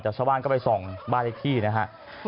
จากชาวบ้านก็ส่องบ้านอีกที่นะฮะ